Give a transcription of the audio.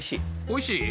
おいしい？